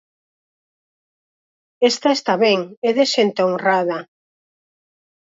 Esta está ben, é de xente honrada.